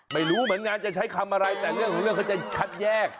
ไม่รู้เหมือนกันจะใช้คำอะไรแต่เรื่องของเรื่องเขาจะคัดแยก